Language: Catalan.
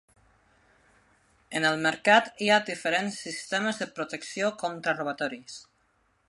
En el mercat hi ha diferents sistemes de protecció contra robatoris.